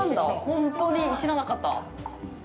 本当に知らなかった。